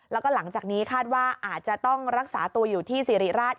แล้วก็หลังจากนี้คาดว่าอาจจะต้องรักษาตัวอยู่ที่สิริราช